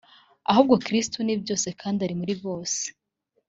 ahubwo Kristo ni byose kandi ari muri bose.